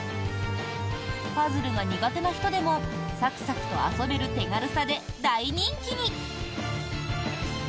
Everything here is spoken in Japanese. パズルが苦手な人でもサクサクと遊べる手軽さで大人気に。